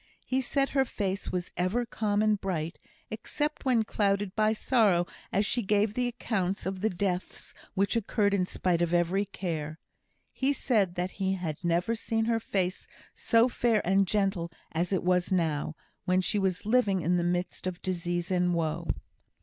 He said her face was ever calm and bright, except when clouded by sorrow as she gave the accounts of the deaths which occurred in spite of every care. He said he had never seen her face so fair and gentle as it was now, when she was living in the midst of disease and woe.